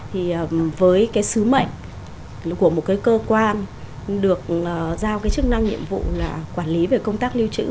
thì với cái sứ mệnh của một cái cơ quan được giao cái chức năng nhiệm vụ là quản lý về công tác lưu trữ